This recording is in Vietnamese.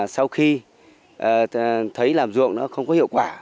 sau khi thấy làm ruộng không có hiệu quả